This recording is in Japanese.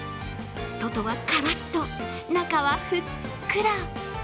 外はカラッと、中はふっくら。